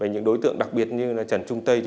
những đối tượng đặc biệt như trần trung tây